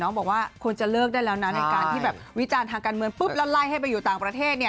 บอกว่าควรจะเลิกได้แล้วนะในการที่แบบวิจารณ์ทางการเมืองปุ๊บแล้วไล่ให้ไปอยู่ต่างประเทศเนี่ย